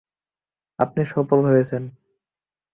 আপনি সফল হয়েছেন।